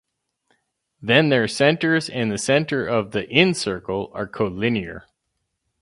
Then their centers and the center of the incircle are colinear.